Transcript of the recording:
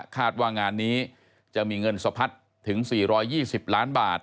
ว่างานนี้จะมีเงินสะพัดถึง๔๒๐ล้านบาท